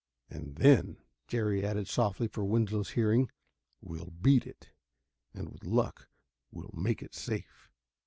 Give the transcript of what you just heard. "And then," Jerry added softly for Winslow's hearing, "we'll beat it. And, with luck, we'll make it safe."